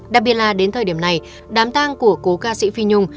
đặc biệt là đến thời điểm này đám tang của cố ca sĩ phi nhung